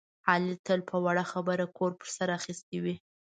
علي تل په وړه خبره کور په سر اخیستی وي.